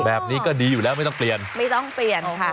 แบบนี้ก็ดีอยู่แล้วไม่ต้องเปลี่ยน